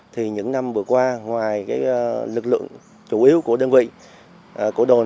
thì những năm vừa qua ngoài lực lượng chủ yếu của đơn vị của đồn